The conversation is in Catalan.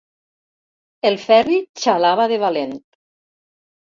El Ferri xalava de valent.